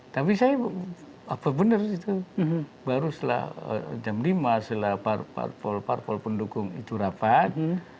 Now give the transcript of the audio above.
tapi saya apa benar itu baru setelah jam lima setelah parpol parpol pendukung itu rapat